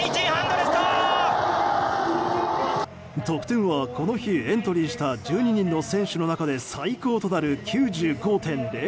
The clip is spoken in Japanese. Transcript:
得点は、この日エントリーした１２人の選手の中で最高となる９５．００！